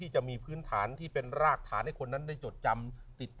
จะมีการเปลี่ยนแปลงในชีวิต